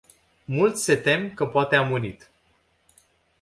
Mulți se tem că poate a murit.